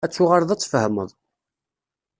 Ad ttuɣaleḍ ad ttfehmeḍ.